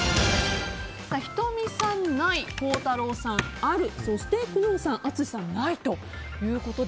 仁美さん、ない孝太郎さん、あるそして工藤さん、淳さんないということで。